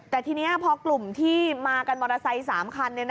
แต่ทีนี้พอกลุ่มที่มากันมอเตอร์ไซค์๓คัน